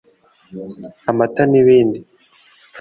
amata n’ibindi